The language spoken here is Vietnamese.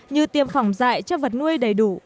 như tiêm phòng dại cho vật nuôi đầy đủ